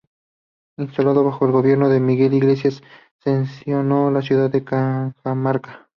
Instalada bajo el gobierno de Miguel Iglesias, sesionó en la ciudad de Cajamarca.